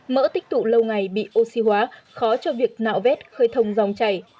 mỡ tích tụ lâu ngày bị oxy hóa khó cho việc nạo vét khơi thông dòng chảy